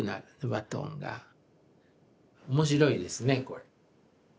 面白いですねこれ。